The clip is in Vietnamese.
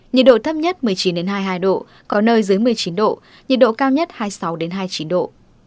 nhiệt độ thấp nhất một mươi chín hai mươi hai độ có nơi dưới một mươi chín độ nhiệt độ cao nhất hai mươi sáu hai mươi chín độ